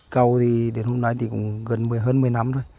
cầu thì đến hôm nay thì gần hơn một mươi năm